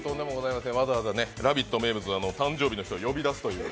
わざわざ、「ラヴィット！」名物の誕生日の人を呼び出すという。